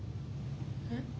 えっ？